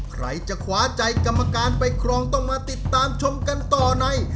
ใครจะขวาใจกรรมการไปครองต้องมาติดตามชมกันต่อใน